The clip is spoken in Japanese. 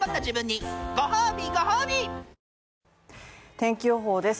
天気予報です。